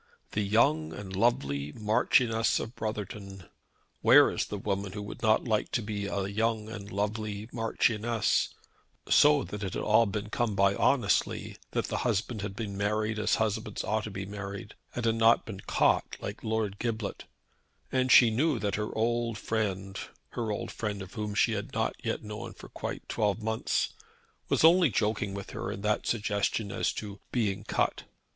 The young and lovely Marchioness of Brotherton! Where is the woman who would not like to be a young and lovely Marchioness, so that it had all been come by honestly, that the husband had been married as husbands ought to be married, and had not been caught like Lord Giblet; and she knew that her old friend, her old friend whom she had not yet known for quite twelve months, was only joking with her in that suggestion as to being cut.